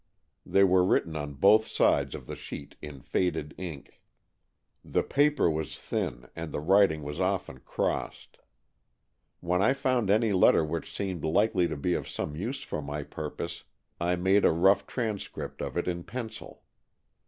They were written on both sides of the sheet in faded ink. The paper was thin, and the writing was often crossed. When I found any letter which seemed likely to be of some use for my purpose, I made a rough 238 AN EXCHANGE OF SOULS transcript of it in pencil.